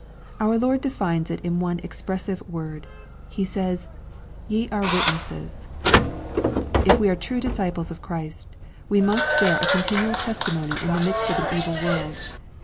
Our Lord defines it in one expressive word. He says, " Ye are witnesses/' If we are true disciples of Christ, we must bear a continual testimony in the midst of an evil world.